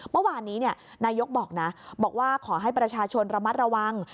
เมื่อวานนี้นายกบอกนะบอกว่าขอให้ประชาชนระมัดระวัง